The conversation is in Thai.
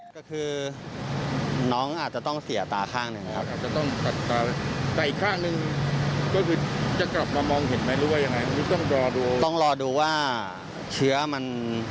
ก็คือน้องอาจจะต้องเสียตาข้างหนึ่งนะครับ